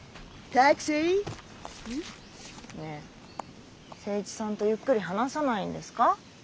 タクシー？ねえ誠一さんとゆっくり話さないんですか？